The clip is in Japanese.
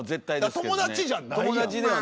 友達じゃないやん。